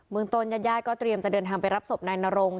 เมืองตนย่าก็เตรียมเตรี่ยมจะเดินทางไปรับศพในน่าโลง